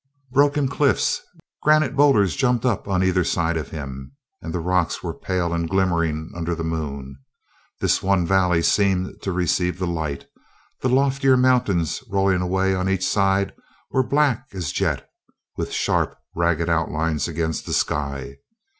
Broken cliffs, granite boulders jumped up on either side of him, and the rocks were pale and glimmering under the moon. This one valley seemed to receive the light; the loftier mountains rolling away on each side were black as jet, with sharp, ragged outlines against the sky.